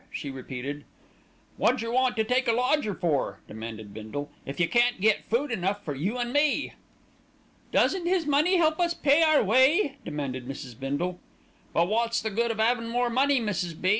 she repeated. "Wot jer want to take a lodger for," demanded Bindle, "if you can't get food enough for you an' me?" "Doesn't his money help us pay our way?" demanded Mrs. Bindle. "But wot's the good of 'avin' more money, Mrs. B.